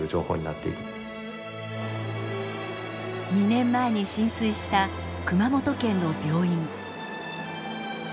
２年前に浸水した熊本県の病院。